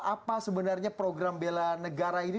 apa sebenarnya program bela negara ini